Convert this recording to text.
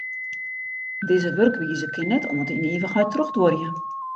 Dizze wurkwize kin net oant yn ivichheid trochduorje.